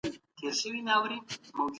مال باید د فتنې سبب نسي.